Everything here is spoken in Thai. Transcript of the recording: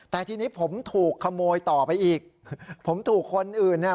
แต่ทีนี้ผมถูกขโมยต่อไปอีกผมถูกคนอื่นเนี่ย